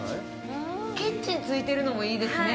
キッチンついてるのもいいですね。